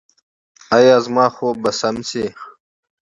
ایا زما خوب به سم شي؟